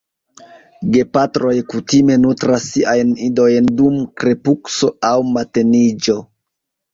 Gepatroj kutime nutras siajn idojn dum krepusko aŭ mateniĝo.